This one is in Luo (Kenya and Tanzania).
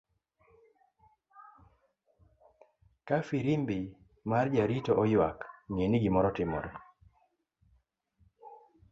Kafirimbi mar jarito oywak ngeni gimoro timore.